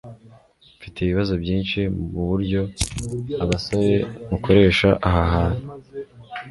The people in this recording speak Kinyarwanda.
Mfite ibibazo byinshi muburyo abasore mukoresha aha hantu